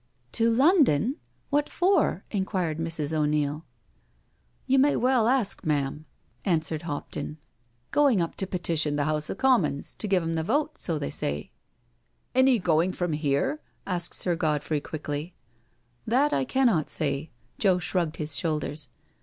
"To London? What for?" inquired Mrs. O'Neil. " You may well ask, mam," answered Hopton. " Go 36 NO SURRENDER ing up to petition the House of Commons to giv* *em the vote— so they say "" Any going from here?" asked Sir Godfrey quickly. " That I Icannot say.*' Joe shrugged his shoulders.